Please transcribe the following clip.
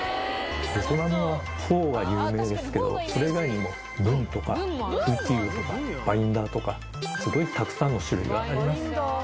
ベトナムはフォーが有名ですけどそれ以外にもブンとかフーティウとかバインダーとかすごいたくさんの種類があります